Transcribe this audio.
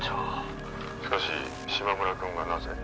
「しかし嶋村君がなぜ？」